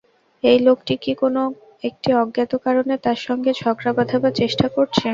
এই লোকটি কি কোনো একটি অজ্ঞাত কারণে তাঁর সঙ্গে ঝগড়া বাধাবার চেষ্টা করছে?